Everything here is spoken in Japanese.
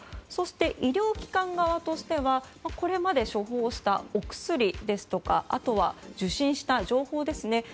そして、医療機関側としてはこれまで処方したお薬ですとか受診した情報ですね。